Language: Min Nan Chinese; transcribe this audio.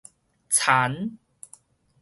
田